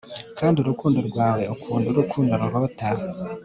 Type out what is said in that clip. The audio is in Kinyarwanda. Kunda urukundo rwawe kunda urukundo rurota